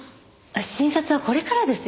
診察はこれからですよ。